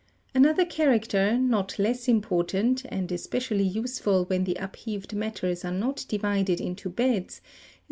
16. Another character, not less important, and especially useful when the upheaved matters are not divided into beds, is furnished 14.